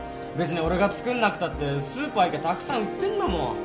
別に俺が作んなくたってスーパー行きゃたくさん売ってんだもん。